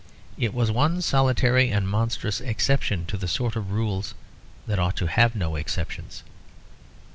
It was one solitary and monstrous exception to the sort of rule that ought to have no exceptions.